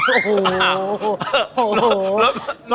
โอ้โหโอ้โห